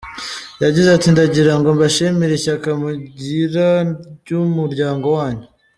Yagize ati “Ndagirango mbashimire ishyaka mugira ry’umuryango wanyu.